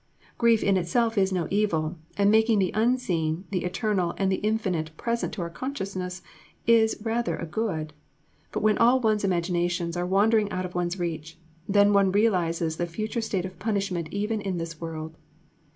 Grief in itself is no evil; as making the Unseen, the Eternal, and the Infinite present to our consciousness, it is rather a good. But when all one's imaginations are wandering out of one's reach, then one realizes the future state of punishment even in this world.